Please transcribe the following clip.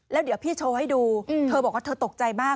แล้วเดี๋ยวพี่โชว์ให้ดูเธอบอกว่าเธอตกใจมาก